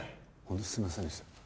本当すいませんでした。